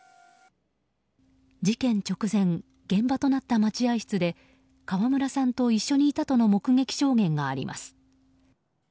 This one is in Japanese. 事件直前、現場となった待合室で川村さんと一緒にいたとの目撃証言があります。